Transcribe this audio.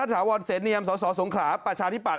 ทถวรเศรษฐ์เนยมสสสงขลาฯประชานิปัตย์